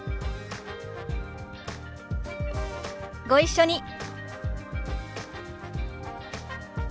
ご一緒に。